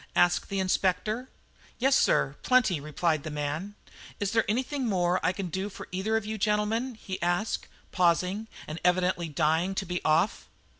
asked the Inspector. "Yes, sir, plenty," replied the man. "Is there anything more I can do for either of you gentlemen?" he asked, pausing, and evidently dying to be off.